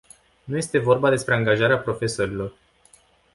Nu este vorba despre angajarea profesorilor.